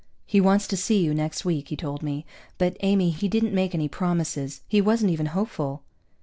"He wants to see you next week," he told me. "But Amy, he didn't make any promises. He wasn't even hopeful."